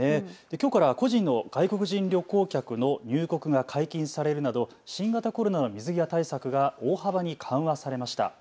きょうから個人の外国人旅行客の入国が解禁されるなど、新型コロナの水際対策が大幅に緩和されました。